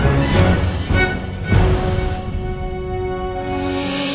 gimana kita akan menikmati rena